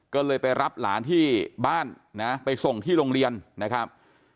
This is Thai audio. ก็เลยไปรับหลานที่บ้านนะไปส่งที่โรงเรียนนะครับ